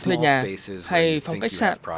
thuê nhà hay phòng khách sạn